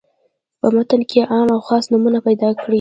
په متن کې عام او خاص نومونه پیداکړي.